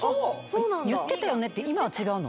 「言ってたよね」って今は違うの？